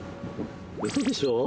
うそでしょ。